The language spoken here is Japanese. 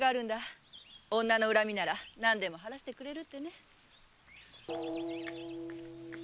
女の恨みなら何でも晴らしてくれるってね。